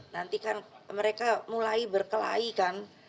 nanti kan mereka mulai berkelahi kan